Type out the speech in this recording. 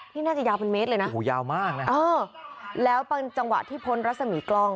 นี่น่าจะยาวเป็นเมตรเลยนะเออแล้วปันจังหวะที่พ้นรัศมีร์กล้อง